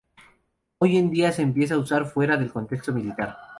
Hoy en día se empieza a usar fuera del contexto militar.